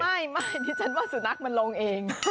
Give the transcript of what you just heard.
ไม่ดิฉันว่าสุนัขมันลงเอง